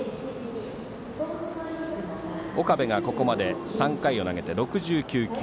岡部がここまで３回を投げて６９球。